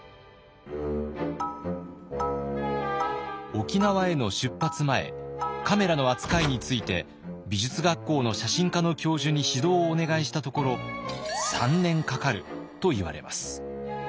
沖縄への出発前カメラの扱いについて美術学校の写真科の教授に指導をお願いしたところ「３年かかる」と言われます。